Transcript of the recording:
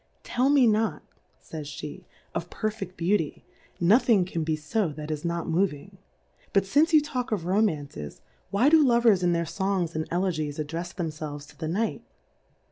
Tell me not, [ays Jbe^ of perfeft Beauty, nothing can be fo that is not moving. But fmce you talk of Romances, why do Lovers in their Songs and Elegies addrefs them felves to the Night